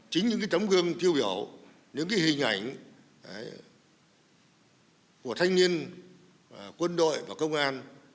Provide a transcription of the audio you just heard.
chính những tấm gương tiêu biểu những hình ảnh của thanh niên quân đội và công an